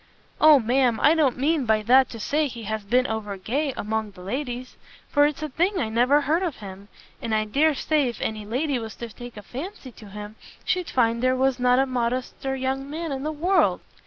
"O, ma'am, I don't mean by that to say he has been over gay among the ladies, for it's a thing I never heard of him; and I dare say if any lady was to take a fancy to him, she'd find there was not a modester young man in the world.